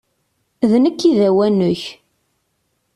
D nekk i d awanek!